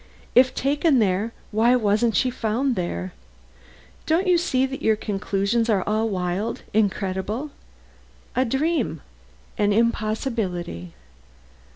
If taken there, why wasn't she found there? Don't you see that your conclusions are all wild incredible? A dream? An impossibility?"